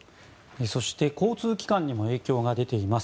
そして交通機関にも影響が出ています。